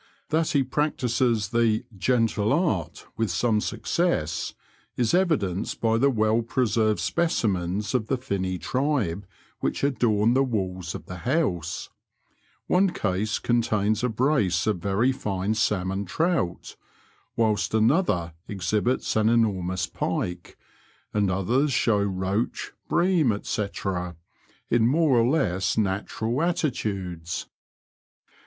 That he practises the << gentle art " with some success is evidenced by the well preserved specimens of the finny tribe which adorn the walls of the house ; one case contains a brace of very fine salmon trout, whilst another exhibits an enormous pike, and others show roach, bream^ &o., in more or less natural attitudes.